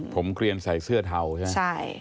ผมเกลียนใส่เสื้อเทาใช่ไหม